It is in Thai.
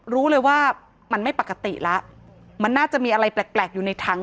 รู้เลยว่ามันไม่ปกติแล้วมันน่าจะมีอะไรแปลกอยู่ในถัง